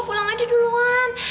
pulang aja duluan